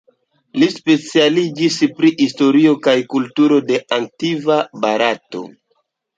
Li specialiĝis pri historio kaj kulturo de antikva Barato.